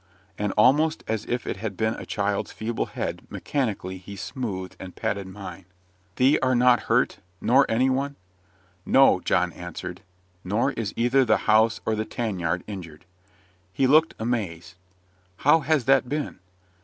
And almost as if it had been a child's feeble head, mechanically he smoothed and patted mine. "Thee art not hurt? Nor any one?" "No," John answered; "nor is either the house or the tan yard injured." He looked amazed. "How has that been?"